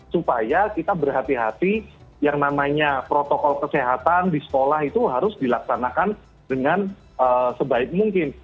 supaya kita berhati hati yang namanya protokol kesehatan di sekolah itu harus dilaksanakan dengan sebaik mungkin